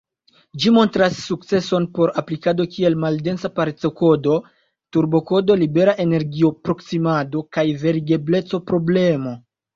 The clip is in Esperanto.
Ĝi montras sukceson por aplikado kiel maldensa pareco-kodo, turbo-kodo, libera energio-proksimado, kaj verigebleco-problemo.